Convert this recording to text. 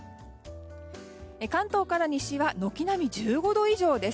関東から西は軒並み１５度以上です。